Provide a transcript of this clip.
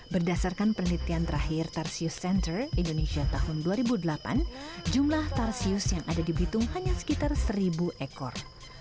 berdasarkan penelitian terakhir tarsius center indonesia tahun dua ribu delapan jumlah tarsius yang ada di bitung hanya sekitar seribu ekor